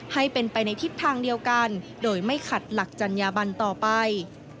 ให้เป็นไปในทิศทางเดียวกันโดยไม่ขัดหลักจัญญาบันต่อไป